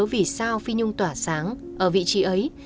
vì sao phi nhung tỏa sáng ở vị trí ấy